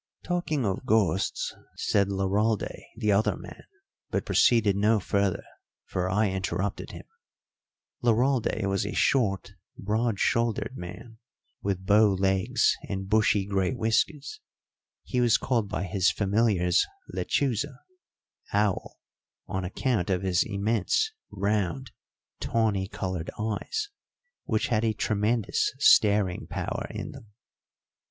"Talking of ghosts " said Laralde, the other man but proceeded no further, for I interrupted him. Laralde was a short, broad shouldered man, with bow legs and bushy grey whiskers; he was called by his familiars Lechuza (owl) on account of his immense, round, tawny coloured eyes, which had a tremendous staring power in them.